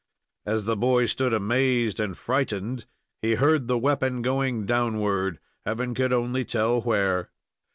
As the boy stood amazed and frightened, he heard the weapon going downward, Heaven could only tell where.